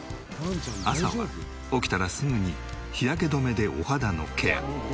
朝は起きたらすぐに日焼け止めでお肌のケア。